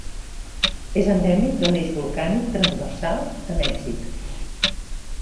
És endèmic de l'Eix Volcànic Transversal de Mèxic.